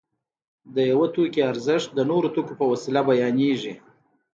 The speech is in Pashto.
د یو توکي ارزښت د نورو توکو په وسیله بیانېږي